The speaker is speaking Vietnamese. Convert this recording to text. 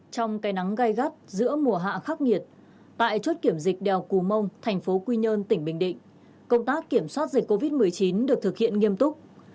trong cây nắng gai gắt giữa mùa hạ khắc nghiệt tại chốt kiểm dịch đèo cù mông thành phố quy nhơn tỉnh bình định công tác kiểm soát dịch covid một mươi chín được thực hiện nghiêm túc